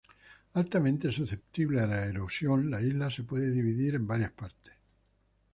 Altamente susceptible a la erosión, la isla se puede dividir en varias partes.